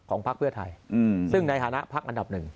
ของภาคเพื้อไทยซึ่งในฐานะภาคอันดับหนึ่ง